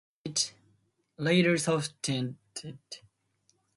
This stance was later softened.